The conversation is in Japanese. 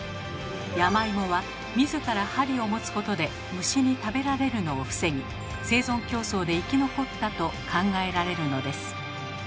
山芋は自ら針を持つことで虫に食べられるのを防ぎ生存競争で生き残ったと考えられるのです。